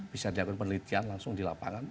bisa dilakukan penelitian langsung di lapangan